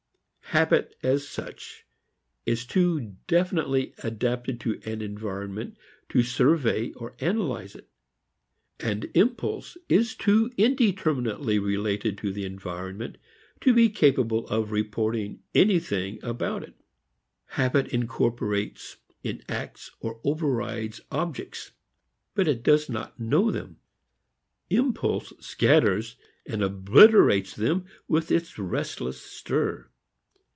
Habit as such is too definitely adapted to an environment to survey or analyze it, and impulse is too indeterminately related to the environment to be capable of reporting anything about it. Habit incorporates, enacts or overrides objects, but it doesn't know them. Impulse scatters and obliterates them with its restless stir.